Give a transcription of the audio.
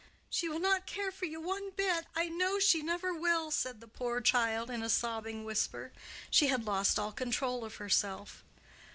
"She will not care for you one bit—I know she never will!" said the poor child in a sobbing whisper. She had lost all control of herself.